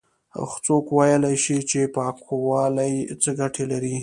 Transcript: څوک ويلاى شي چې پاکوالی څه گټې لري؟